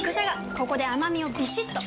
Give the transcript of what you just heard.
ここで甘みをビシッと！